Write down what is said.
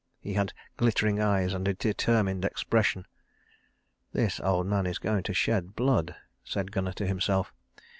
He had glittering eyes and a determined expression. "This old man is going to shed blood," said Gunnar to himself.